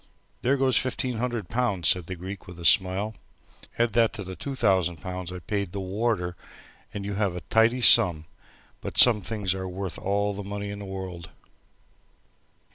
"There goes fifteen hundred pounds," said the Greek, with a smile, "add that to the two thousand I paid the warder and you have a tidy sum but some things are worth all the money in the world!"